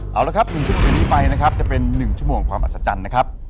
เอาละครับ๑ชั่วโมงนี้ไปนะครับจะเป็น๑ชั่วโมงความอัศจรรย์นะครับ